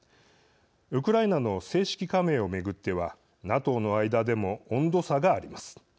ウクライナの正式加盟を巡ってはＮＡＴＯの間でも温度差があります。